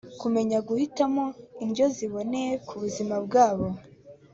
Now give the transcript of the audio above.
kumenya guhitamo indyo ziboneye ku buzima bwabo